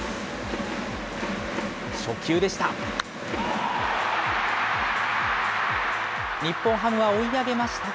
初球でした。